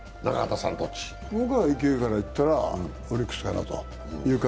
僕は勢いからいったらオリックスかなと。